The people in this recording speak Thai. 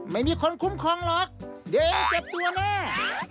ไม่มีคนคุ้มครองหรอกเดี๋ยวเจ็บตัวแน่